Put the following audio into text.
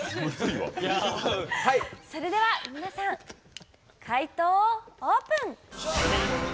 それでは皆さん解答をオープン。